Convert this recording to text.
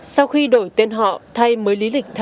sau khi đổi tên họ thay mới lý lịch